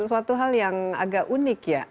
suatu hal yang agak unik ya